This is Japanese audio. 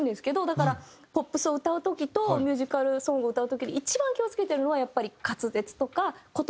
だからポップスを歌う時とミュージカルソングを歌う時で一番気を付けてるのはやっぱり滑舌とか言葉が届くかって事。